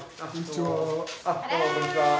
どうもこんにちは。